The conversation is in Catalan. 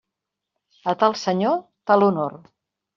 A tal senyor, tal honor.